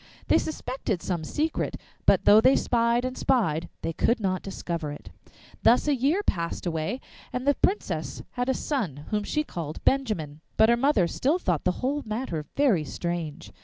They suspected some secret, but though they spied and spied, they could not discover it. Thus a year passed away, and the Princess had a son, whom she called Benjamin. But her mother still thought the whole matter very strange.